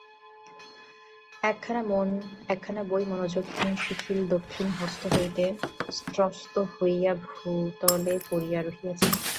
একখানা বই মনোযোগহীন শিথিল দক্ষিণ হস্ত হইতে স্রস্ত হইয়া ভূতলে পড়িয়া রহিয়াছে।